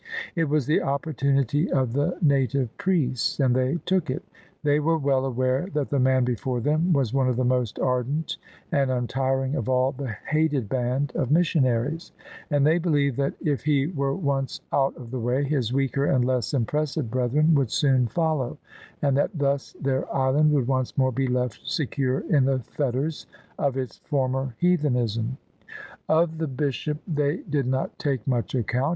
It was the opportunity of the native priests : and they took it. They were well aware that the man before them was one of the most ardent and untiring of all the hated band of missionaries: and they believed that if he were once out of the way, his weaker and less impressive brethren would soon follow: and that thus their island would once more be left secure in the fetters of its former heathenism. Of the Bishop [355 ] THE SUBJECTION they did not take much account.